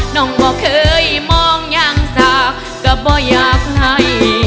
น้องบ่เคยมองอย่างสาก็บ่อยากให้